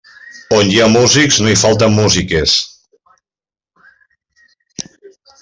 On hi ha músics, no hi falten músiques.